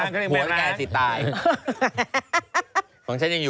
ในขณะที่แม่ขึ้นคานสิ